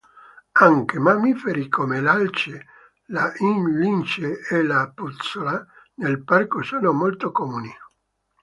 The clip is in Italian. Anche mammiferi come l'alce, la lince e la puzzola nel parco sono molto comuni.